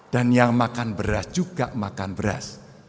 dan yang makan beras juga makan beras